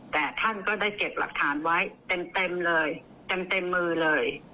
แต่ท่านก็ได้เก็บหลักฐานไว้เต็มเลยเต็มมือเลย